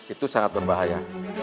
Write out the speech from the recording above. itu sangat berbahaya